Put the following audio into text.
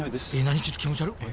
ちょっと気持ち悪っ。